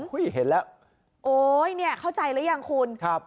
เห็นแล้วโอ๊ยเนี่ยเข้าใจหรือยังคุณครับ